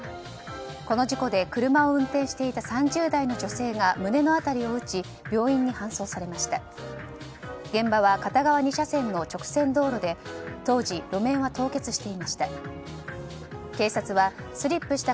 この事故で車を運転していた３０代の女性が胸の辺りを打ち病院に搬送されました。